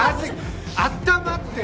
あったまって！